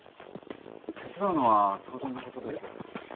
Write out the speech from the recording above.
手伝うのは当然のことです。